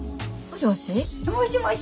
もしもし？